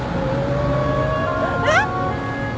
えっ？